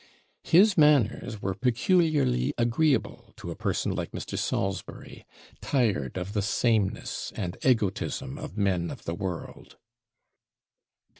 His manners were peculiarly agreeable to a person like Mr. Salisbury, tired of the sameness and egotism of men of the world.